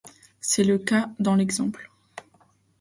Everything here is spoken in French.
C’est le cas dans l’exemple.